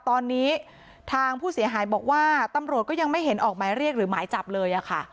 ตอนนี้ทางผู้เสียหายบอกว่าตำรวจก็ยังไม่เห็นออกหมายเรียกหรือหมายจับเลยค่ะ